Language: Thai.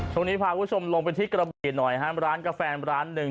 คุณผู้ชมพาคุณผู้ชมลงไปที่กระบี่หน่อยฮะร้านกาแฟร้านหนึ่ง